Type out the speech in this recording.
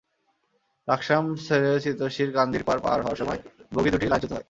লাকসাম ছেড়ে চিতোষীর কান্দিরপাড় পার হওয়ার সময় বগি দুটি লাইনচ্যুত হয়।